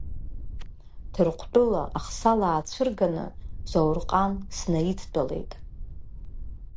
Ҭырқутәыла ахсаала аацәырганы Заурҟан снаидтәалеит.